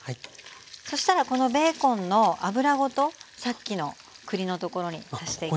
そしたらこのベーコンの脂ごとさっきの栗のところに足していきます。